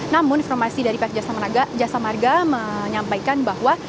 namun informasi dari pihak jasa marga menyampaikan bahwa